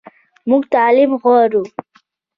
موږ تعلیم غواړو